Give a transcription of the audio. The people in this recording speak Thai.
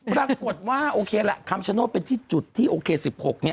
ปรากฏว่าโอเคแหละคำชโนธเป็นที่จุดที่โอเค๑๖เนี่ย